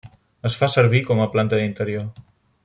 Es fa servir com planta d'interior.